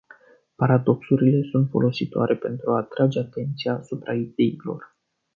Paradoxurile sunt folositoare pentru a atrage atenția asupra ideilor.